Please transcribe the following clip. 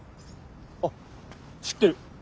あっ知ってる。